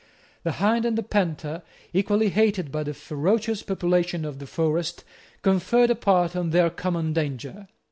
The hind and the panther, equally hated by the ferocious population of the forest, conferred apart on their common danger.